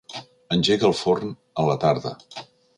Engega el forn a la tarda.